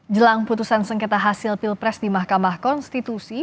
jelang putusan sengketa hasil pilpres di mahkamah konstitusi